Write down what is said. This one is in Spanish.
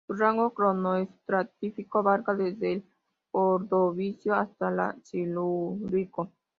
Su rango cronoestratigráfico abarca desde el Ordovícico hasta la Silúrico.